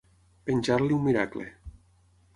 Penjar-li un miracle.